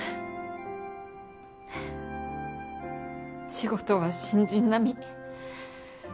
仕事は新人並み。